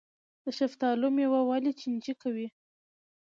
د شفتالو میوه ولې چینجي کوي؟